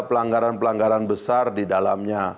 pelanggaran pelanggaran besar di dalamnya